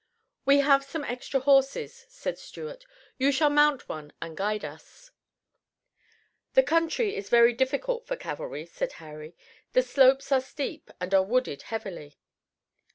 "We have some extra horses," said Stuart, "you shall mount one and guide us." "The country is very difficult for cavalry," said Harry. "The slopes are steep and are wooded heavily."